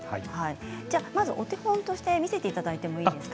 まずはお手本を見せていただいていいですか。